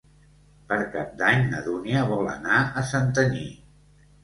Per Cap d'Any na Dúnia vol anar a Santanyí.